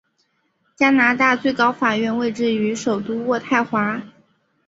加拿大最高法院位置于首都渥太华。